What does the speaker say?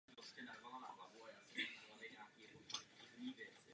Muzeum letecké techniky "Midland Air Museum" je umístěno poblíž letiště Coventry.